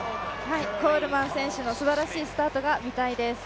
コールマン選手のすばらしいスタートが見たいです。